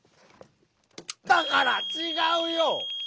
だからちがうよ！